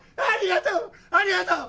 ありがとう！